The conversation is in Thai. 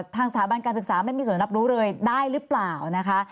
ทางสถาบันการศึกษาไม่มีส่วนรับรู้เลยได้หรือเปล่านะคะ